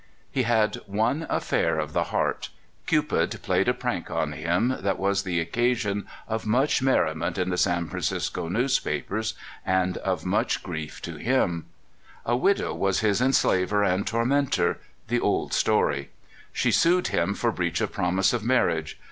He had one affair of the heart. Cupid plaved a prank on him that was the occasion of much^ner rim^nt in the San Francisco newspapers, and of 240 CALIFORNIA SKETCHES. much grief to him. A widow was his enslaver and tormentor — the old story. She sued him for breach of promise of marriage.